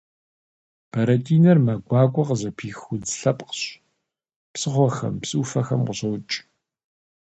Бэрэтӏинэр мэ гуакӏуэ къызыпих удз лъэпкъщ, псыхъуэхэм, псы ӏуфэхэм къыщокӏ.